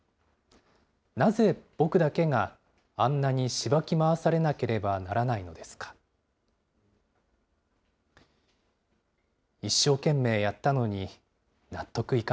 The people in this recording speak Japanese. なぜ僕だけがあんなにしばき回されなければならないのですか。